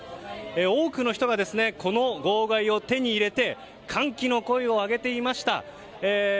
多くの人が、号外を手に入れて歓喜の声を上げていました。